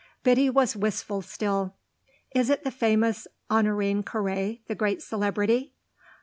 Biddy was wistful still. "Is it the famous Honorine Carré, the great celebrity?"